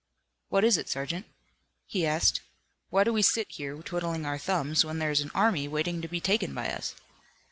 "What is it, sergeant?" he asked. "Why do we sit here, twiddling our thumbs when there is an army waiting to be taken by us?"